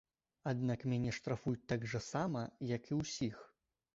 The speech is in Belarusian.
Аднак мяне штрафуюць так жа сама, як і ўсіх.